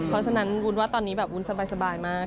เพราะฉะนั้นวุ้นว่าตอนนี้แบบวุ้นสบายมาก